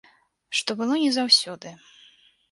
Што было не заўсёды.